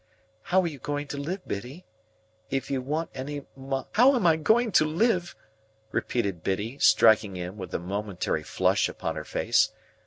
"How are you going to live, Biddy? If you want any mo—" "How am I going to live?" repeated Biddy, striking in, with a momentary flush upon her face.